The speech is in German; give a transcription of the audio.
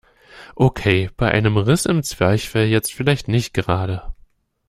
Okay, bei einem Riss im Zwerchfell jetzt vielleicht nicht gerade.